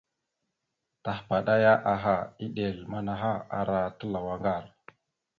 Tahəpaɗaya aha, eɗel manaha ara talaw aŋgar.